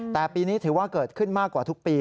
แต่ปีนี้ถือว่าเกิดขึ้นมากกว่าทุกปี